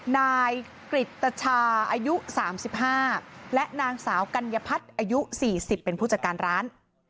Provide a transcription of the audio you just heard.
นายกริตชาอายุ๓๕และนางสาวกัญญพัฒน์อายุ๔๐เป็นผู้จัดการร้าน